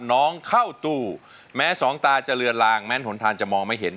เข้าตู้แม้สองตาจะเลือนลางแม้หนทางจะมองไม่เห็น